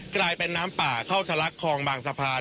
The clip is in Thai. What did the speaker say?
กลายเป็นน้ำป่าเข้าทะลักคลองบางสะพาน